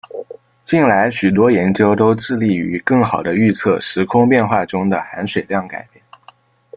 近来许多研究都致力于更好地预测时空变化中的含水量改变。